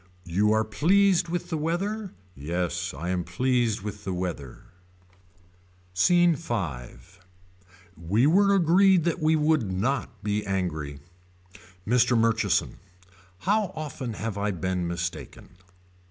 You are pleased with the weather. Yes I am pleased with the weather. SCENE V. We were agreed that we would not be angry. Mr. Murchison. How often have I been mistaken.